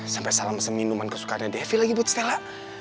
sampai salah masam minuman kesukaannya devi lagi buat stella